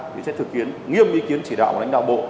thì sẽ thực hiện nghiêm ý kiến chỉ đạo của lãnh đạo bộ